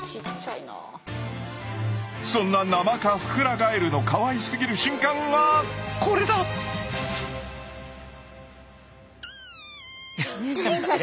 そんなナマカフクラガエルのかわいすぎる瞬間がこれだ！え？